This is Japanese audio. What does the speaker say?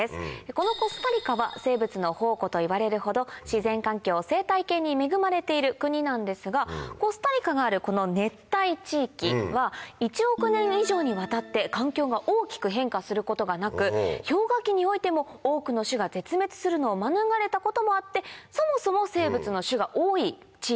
このコスタリカは生物の宝庫といわれるほど自然環境生態系に恵まれている国なんですがコスタリカがあるこの熱帯地域は１億年以上にわたって環境が大きく変化することがなく氷河期においても多くの種が絶滅するのを免れたこともあってそもそも生物の種が多い地域なんです。